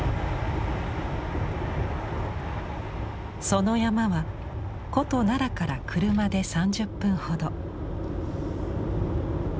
その山は古都・奈良から車で３０分ほど。